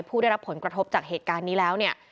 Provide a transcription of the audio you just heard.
ผู้ได้รับผลกระทบจากเหตุการณ์นี้แล้วเนี่ย